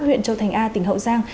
huyện châu thành a tỉnh hậu giang